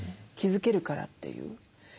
気づけるからっていう。